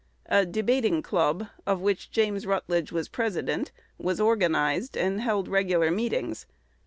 A debating club, of which James Rutledge was president, was organized, and held regular meetings.